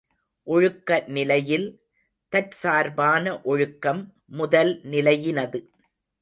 ஒழுக்க நிலையில், தற்சார்பான ஒழுக்கம் முதல் நிலையினது.